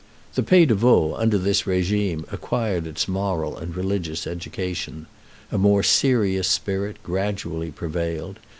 The Pays de Vaud under this régime acquired its moral and religious education. A more serious spirit gradually prevailed.